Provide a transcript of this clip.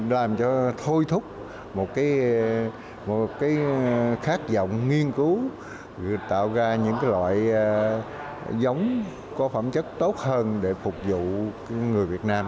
làm cho thôi thúc một cái khát vọng nghiên cứu tạo ra những loại giống có phẩm chất tốt hơn để phục vụ